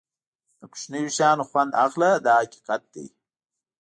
د کوچنیو شیانو خوند اخله دا حقیقت دی.